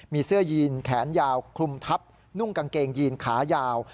มีเสื้อยีนแขนยาวคลุมทับนุ่งกางเกงยีนขายาว